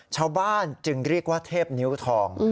ชาวบ้านจึงเรียกว่าเทพนิ้วทอง